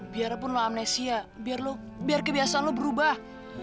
biarpun lo amnesia biar lo biar kebiasaan lo berubah